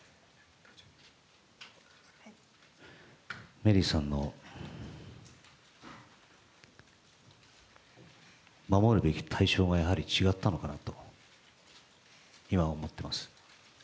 メリーさんの守るべき対象がやはり違ったのかなと、今は思っています。